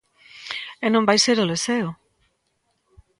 E non vai ser o Leceo.